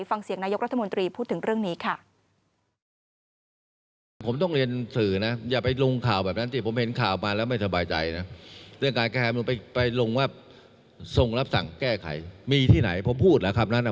ฟังเสียงนายกรัฐมนตรีพูดถึงเรื่องนี้ค่ะ